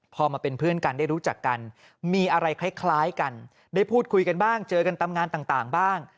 พอมาเป็นเพื่อนกันได้รู้จักกันมีอะไรคล้ายกันได้พูดคุยกันบ้างเจอกันตามงานต่างบ้าง